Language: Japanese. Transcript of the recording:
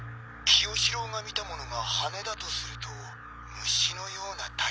清司郎が見たものが羽だとすると虫のようなタイプ。